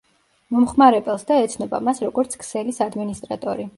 მომხმარებელს და ეცნობა მას როგორც ქსელის ადმინისტრატორი.